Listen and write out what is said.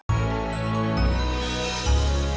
astaga berulang ulang sih ini pak